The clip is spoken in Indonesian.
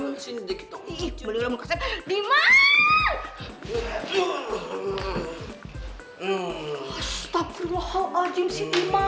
astagfirullahaladzim si diman